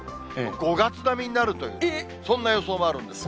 ５月並みになるという、そんな予想もあるんですね。